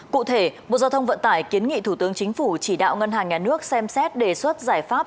cụ thể bộ giao thông vận tải kiến nghị thủ tướng chính phủ chỉ đạo ngân hàng nhà nước xem xét đề xuất giải pháp